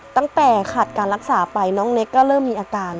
ตั้งแต่ขาดการรักษาไปน้องเน็กก็เริ่มมีอาการ